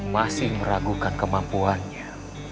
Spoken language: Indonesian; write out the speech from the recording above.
masih meragukan kemampuannya